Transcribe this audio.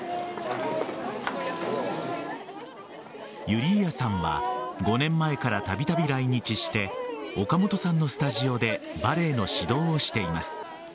ユリーアさんは５年前からたびたび来日して岡本さんのスタジオでバレエの指導をしています。